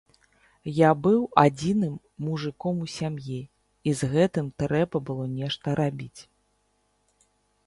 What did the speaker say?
Я быў адзіным мужыком у сям'і, і з гэтым трэба было нешта рабіць.